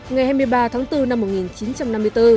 ngày hai mươi ba tháng bốn năm một nghìn chín trăm năm mươi bốn